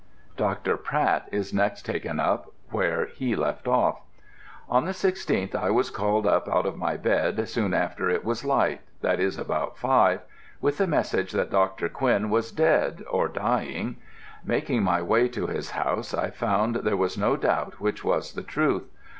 Dr. Pratt is next taken up where he left off. "On the 16th I was called up out of my bed soon after it was light that is about five with a message that Dr. Quinn was dead or dying. Making my way to his house I found there was no doubt which was the truth.